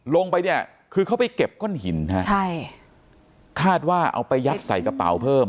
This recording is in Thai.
ลงไปเนี่ยคือเขาไปเก็บก้อนหินฮะใช่คาดว่าเอาไปยัดใส่กระเป๋าเพิ่ม